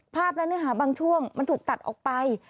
ภาพดันตรงนั้นบางช่วงมันถูกตัดออกไป